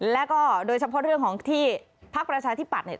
แล้วก็โดยเฉพาะเรื่องของที่ภักดิ์ประชาที่ปัดเนี่ย